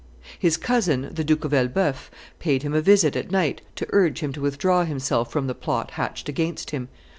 His cousin, the Duke of Elbeuf, paid him a visit at night to urge him to withdraw himself from the plot hatched against him.